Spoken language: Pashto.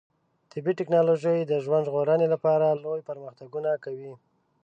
طبي ټکنالوژي د ژوند ژغورنې لپاره لوی پرمختګونه کوي.